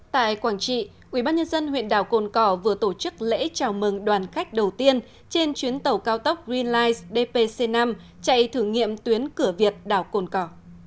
tại quảng trị ubnd huyện đảo cồn cỏ vừa tổ chức lễ chào mừng đoàn khách đầu tiên trên chuyến tàu cao tốc green life dpc năm chạy thử nghiệm tuyến cửa việt đảo cồn cỏ